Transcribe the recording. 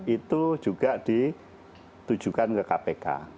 itu juga ditujukan ke kpk